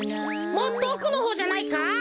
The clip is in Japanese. もっとおくのほうじゃないか？